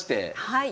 はい。